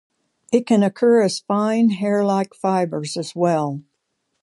It can occur as fine hairlike fibers as well.